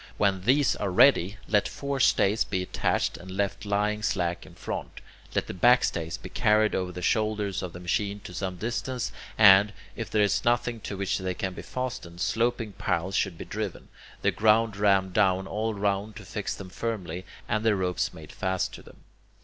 When these are ready, let forestays be attached and left lying slack in front; let the backstays be carried over the shoulders of the machine to some distance, and, if there is nothing to which they can be fastened, sloping piles should be driven, the ground rammed down all round to fix them firmly, and the ropes made fast to them.